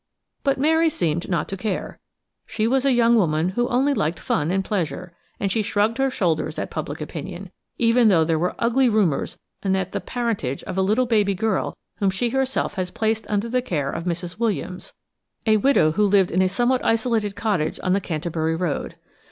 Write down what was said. But Mary seemed not to care. She was a young woman who only liked fun and pleasure, and she shrugged her shoulders at public opinion, even though there were ugly rumours anent the parentage of a little baby girl whom she herself had placed under the care of Mrs. Williams, a widow who lived in a somewhat isolated cottage on the Canterbury road.